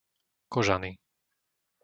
Kožany